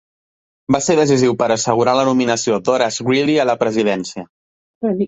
Va ser decisiu per assegurar la nominació d'Horace Greeley a la presidència.